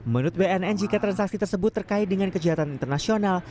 menurut bnn jika transaksi tersebut terkait dengan kejahatan internasional